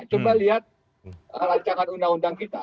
coba lihat rancangan undang undang kita